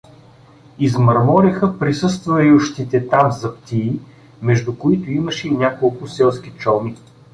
Измърмориха присъствующите там заптии, между които имаше и няколко селски чалми.